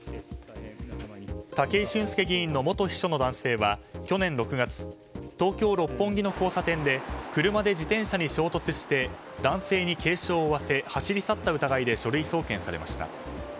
武井俊輔議員の元秘書の男性は去年６月東京・六本木の交差点で車で自転車に衝突して男性に軽傷を負わせ走り去った疑いで書類送検されました。